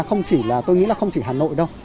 không chỉ là tôi nghĩ là không chỉ hà nội đâu